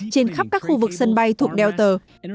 trên khắp các khu vực sân bay thuộc delta